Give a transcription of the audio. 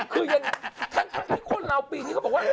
ทั้งที่คนราวปีนี้เขาบอกว่า